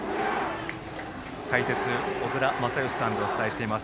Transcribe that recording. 解説、小倉全由さんでお伝えしています。